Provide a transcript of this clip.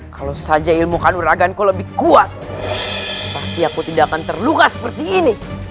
kalau saja ilmu kan weraganku lebih kuat pasti aku tidak akan terluka seperti ini